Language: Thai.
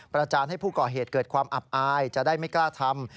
จานให้ผู้ก่อเหตุเกิดความอับอายจะได้ไม่กล้าทำ